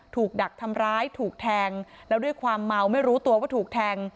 ดักทำร้ายถูกแทงแล้วด้วยความเมาไม่รู้ตัวว่าถูกแทง